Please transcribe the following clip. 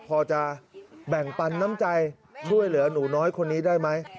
พอจะแบ่งปันน้ำใจช่วยเหลือหนูน้อยคนนี้ได้ไหม